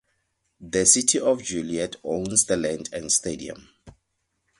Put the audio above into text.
The city of Joliet owns the land and stadium.